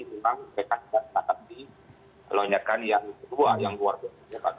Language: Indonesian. memang mereka tetap di pelonjarkan yang kedua yang keluarga